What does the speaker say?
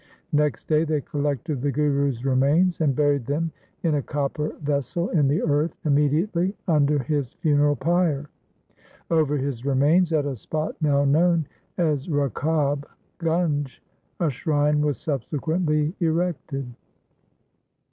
Next day they collected the Guru's remains and buried them in a copper vessel in the earth immediately under his funeral pyre. Over his remains, at a spot now known as Rakab Gunj, a shrine was subsequently erected.